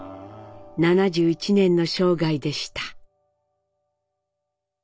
７１年の生涯でした。